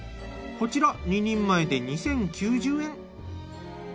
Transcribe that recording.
こちら２人前で２，０９０円。